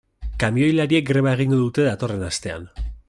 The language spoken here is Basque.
Kamioilariek greba egingo dute datorren astean.